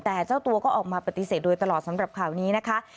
แต่เจ้าตัวก็ออกมาปฏิเสธโดยตลอดสำหรับข่าวนี้นะคะ